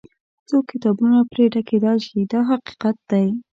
څو کتابونه پرې ډکېدای شي دا حقیقت دی.